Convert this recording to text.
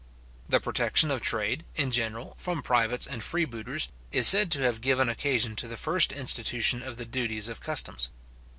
The protection of trade, in general, from pirates and freebooters, is said to have given occasion to the first institution of the duties of customs.